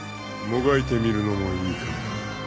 ［もがいてみるのもいいかも］